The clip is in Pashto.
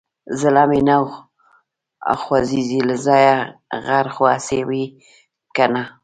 زړه مې نه خوځي له ځايه غر خو هسي وي که نه.